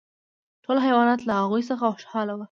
ټول حیوانات له هغوی څخه خوشحاله وو.